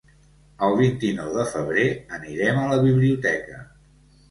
El vint-i-nou de febrer anirem a la biblioteca.